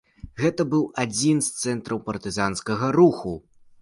Гэта быў адзін з цэнтраў партызанскага руху.